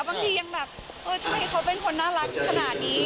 บางทียังแบบเออทำไมเขาเป็นคนน่ารักขนาดนี้